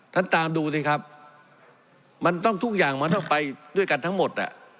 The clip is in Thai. ตามดูสิครับมันต้องทุกอย่างมันต้องไปด้วยกันทั้งหมด